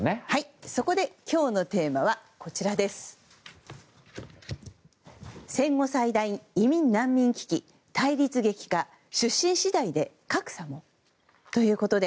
そこで、今日のテーマは戦後最大、移民・難民危機対立激化、出身次第で格差も。